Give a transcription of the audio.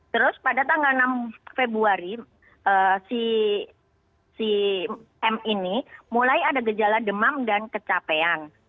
terus pada tanggal enam februari si m ini mulai ada gejala demam dan kecapean